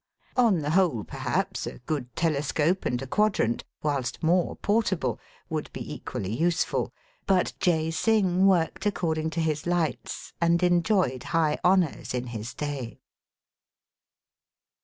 On the whole perhaps a good telescope and a quadrant, whilst more portable, would be equally useful ; but Jay Singh worked accord ing to his lights, and enjoyed high honours in his day.